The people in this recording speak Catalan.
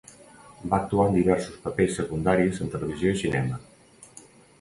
Va actuar en diversos papers secundaris en televisió i cinema.